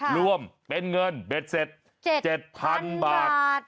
รวมเป็นเงินเบ็ดเสร็จ๗๐๐๐๐บาท